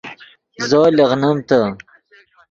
زو لیغنیم تے